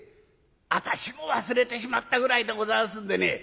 私も忘れてしまったぐらいでございますんでね